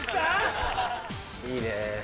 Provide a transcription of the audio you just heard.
いいね。